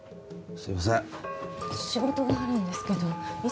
すいません